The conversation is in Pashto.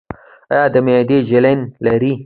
ایا د معدې جلن لرئ؟